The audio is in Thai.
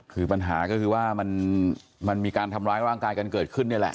คือปัญหาก็คือว่ามันมีการทำร้ายร่างกายกันเกิดขึ้นนี่แหละ